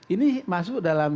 ini masuk dalam